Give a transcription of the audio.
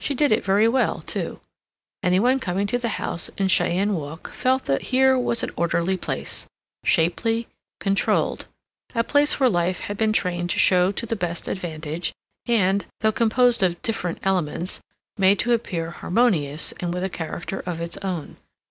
She did it very well, too. Any one coming to the house in Cheyne Walk felt that here was an orderly place, shapely, controlled—a place where life had been trained to show to the best advantage, and, though composed of different elements, made to appear harmonious and with a character of its own.